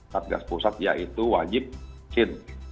satgas pusat yaitu wajib vaksin